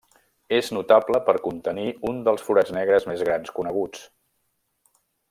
És notable per contenir un dels forats negres més grans coneguts.